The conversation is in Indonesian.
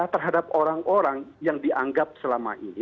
terhadap orang orang yang dianggap selama ini